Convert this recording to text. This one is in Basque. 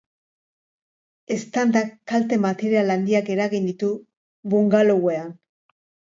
Eztandak kalte material handiak eragin ditu bungalowean.